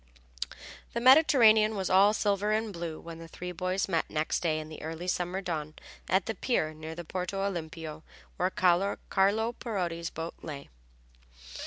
The Mediterranean was all silver and blue when the three boys met next day in the early summer dawn at the pier near the Porto Olimpio where Carlo Parodi's boat lay.